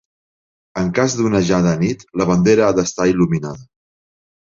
En cas d'onejar de nit, la bandera ha d'estar il·luminada.